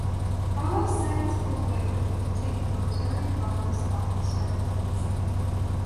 Carlos Sainz pulled away quickly to take Valtteri Bottas off the start claiming second.